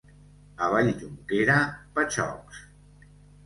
A Valljunquera, patxocs.